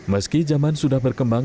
meski zaman sudah berkembang